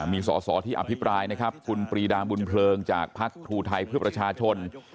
มีสอสอที่อภิปรายนะครับคุณปรีดาบุญเพลิงจากพักครูไทยเพื่อประชาชน